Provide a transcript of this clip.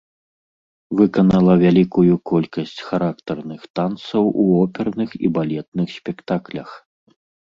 Выканала вялікую колькасць характарных танцаў у оперных і балетных спектаклях.